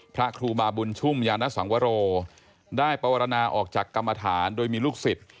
พระครูบาบุญชุ่มยานสังวโรได้ปวรณาออกจากกรรมฐานโดยมีลูกศิษย์